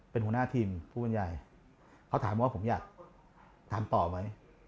เป็นหัวหน้าทีมผู้บรรยายเขาถามว่าผมอยากถามต่อไหม